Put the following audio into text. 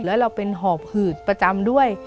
แล้วเราเป็นห่อผืดประจำด้วย